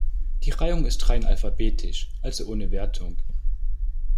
Die Reihung ist rein alphabetisch, also ohne Wertung.